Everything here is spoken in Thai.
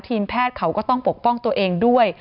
แพทย์เขาก็ต้องปกป้องตัวเองด้วย